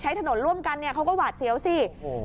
ใช้ถนนร่วมกันเนี่ยเขาก็หวาดเสียวสิโอ้โห